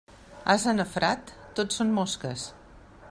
Ase nafrat, tot són mosques.